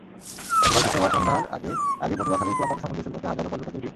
গতকাল শুক্রবার সন্ধ্যার আগে আগে পটুয়াখালীর কুয়াকাটা সমুদ্রসৈকতে হাজারো পর্যটকের ভিড়।